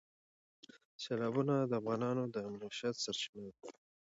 سیلابونه د افغانانو د معیشت سرچینه ده.